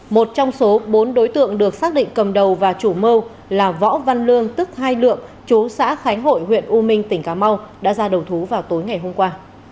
một trong số bốn đối tượng được xác định cầm đầu và chủ mưu là võ văn lương tức hai lượng chú xã khánh hội huyện u minh tỉnh cà mau đã ra đầu thú vào tối ngày hôm qua